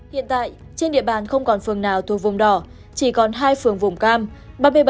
hiện tại trên địa bàn không còn phường nào thuộc vùng đỏ chỉ còn hai phường vùng cam